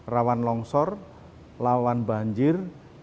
rawan longsor rawan banjir